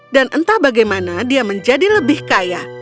dan entah bagaimana dia menjadi lebih kaya